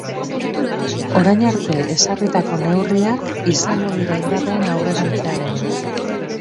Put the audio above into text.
Orain arte ezarritako neurriak izango dira indarrean aurrerantzean ere.